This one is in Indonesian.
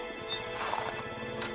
ya yaudah kamu jangan gerak deh ya